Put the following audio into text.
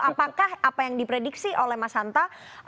apakah apa yang diprediksi oleh mas hanta